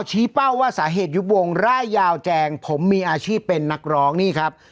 เป้าว่าสาเหตุยุบวงร่ายยาวแจงผมมีอาชีพเป็นนักร้องนี่ครับ